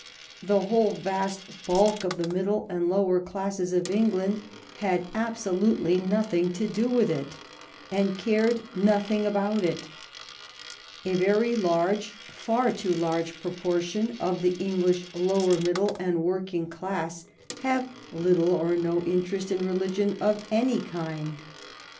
The whole vast bulk of the middle and lower classes of England had absolutely nothing to do L 145 146 THE STORY OF GLADSTONE'S LIFE with it, and cared nothing about it. A very large, far too large, proportion of the English lower middle and working class have little or no interest in religion of any kind.